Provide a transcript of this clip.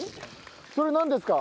それなんですか？